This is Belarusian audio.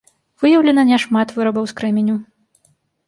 Выяўлена няшмат вырабаў з крэменю.